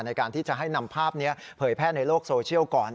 ในการที่จะให้นำภาพนี้เผยแพร่ในโลกโซเชียลก่อน